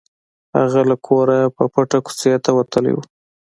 هغه له کوره په پټه کوڅې ته وتلی و